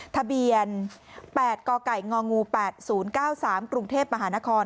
ทะเบียน๘กกง๘๐๙๓กรุงเทพมหานคร